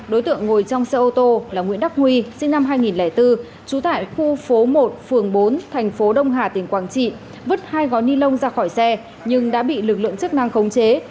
đối tượng ngồi trong xe ô tô là nguyễn đắc huy sinh năm hai nghìn bốn trú tại khu phố một phường bốn thành phố đông hà tỉnh quảng trị vứt hai gói ni lông ra khỏi xe nhưng đã bị lực lượng chức năng khống chế